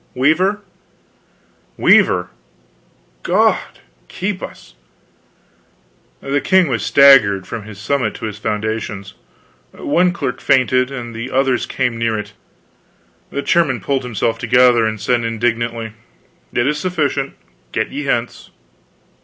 "Weaver." "Weaver! God keep us!" The king was staggered, from his summit to his foundations; one clerk fainted, and the others came near it. The chairman pulled himself together, and said indignantly: "It is sufficient. Get you hence."